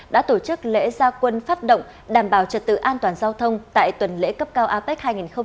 đã tổ chức lễ gia quân phát động đảm bảo trật tự an toàn giao thông tại tuần lễ cấp cao apec hai nghìn hai mươi